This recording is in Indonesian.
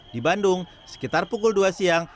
di bandung sekitar pukul dua siang